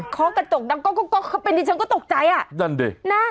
เค้ากระจกดังก็ก็ก็ก็เป็นที่ฉันก็ตกใจอ่ะนั่นแดยน่ะ